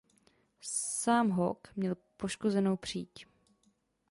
Sám Hawke měl poškozenou příď.